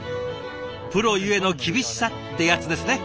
プロゆえの厳しさってやつですね。